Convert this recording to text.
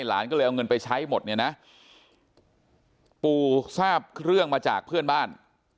หลานก็เลยเอาเงินไปใช้หมดเนี่ยนะปู่ทราบเครื่องมาจากเพื่อนบ้าน